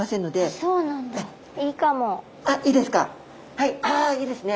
はいあいいですね。